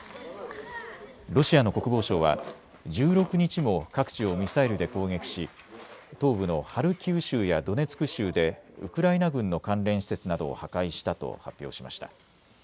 ロシアの国防省は１６日も各地をミサイルで攻撃し東部のハルキウ州やドネツク州でウクライナ軍の関連施設などを破壊したと発表しました。